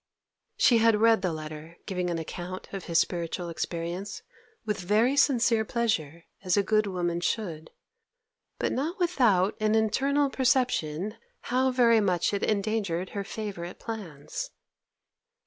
She had read the letter giving an account of his spiritual experience with very sincere pleasure as a good woman should, but not without an internal perception how very much it endangered her favourite plans.